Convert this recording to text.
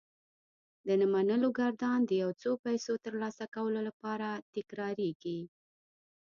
د نه منلو ګردان د يو څو پيسو ترلاسه کولو لپاره تکرارېږي.